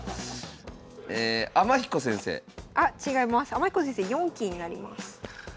天彦先生４期になります。